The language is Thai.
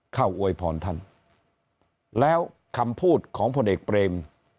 อวยพรท่านแล้วคำพูดของพลเอกเปรม